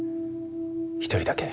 一人だけ。